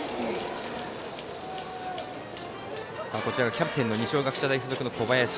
キャプテンの二松学舎大付属の小林。